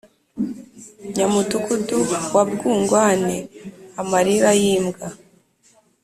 Nyamudugudu wa Bwungwane-Amarira y'imbwa.